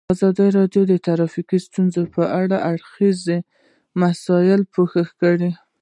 ازادي راډیو د ټرافیکي ستونزې په اړه د هر اړخیزو مسایلو پوښښ کړی.